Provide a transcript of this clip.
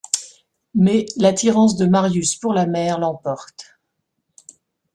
Mais l'attirance de Marius pour la mer l'emporte.